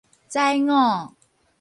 宰我